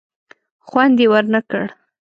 خوند یې ور نه کړ.